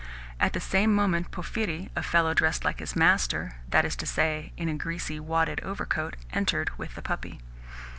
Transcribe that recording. At the same moment Porphyri a fellow dressed like his master (that is to say, in a greasy, wadded overcoat) entered with the puppy.